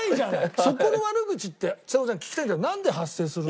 そこの悪口ってちさ子ちゃん聞きたいんだけどなんで発生するの？